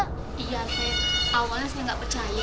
iya tete awalnya saya gak percaya